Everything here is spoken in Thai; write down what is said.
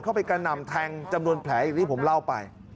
เข้าไปกระหน่ำแทงจำนวนแผลอีกนิดนึงผมเล่าไป